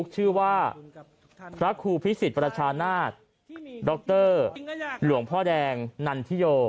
ชื่อว่าพระครูพิสิทธิประชานาศดรหลวงพ่อแดงนันทิโย